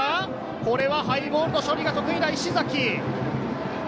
これにハイボールの処理が得意な石崎。